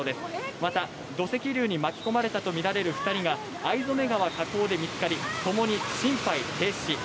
また土石流に巻き込まれたと見られる２人が、あいぞめ川河口で見つかり、共に心肺停止。